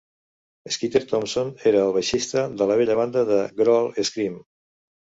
Skeeter Thompson era el baixista de la vella banda de Grohl, Scream.